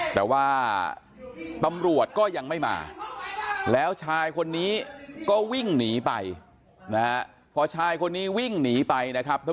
แต่ว่าตำรวจก็ยังไม่มาแล้วชายคนนี้ก็วิ่งหนีไป